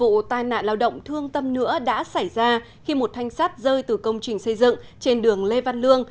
có như một vụ tai nạn lao động thương tâm nữa đã xảy ra khi một thanh sát rơi từ công trình xây dựng trên đường lê văn lương